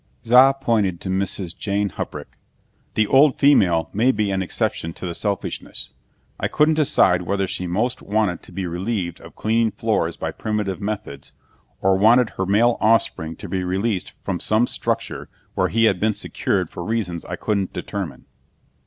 Za pointed to Mrs. Jane Huprich. "The old female may be an exception to the selfishness. I couldn't decide whether she most wanted to be relieved of cleaning floors by primitive methods, or wanted her male offspring to be released from some structure where he had been secured for reasons I couldn't determine."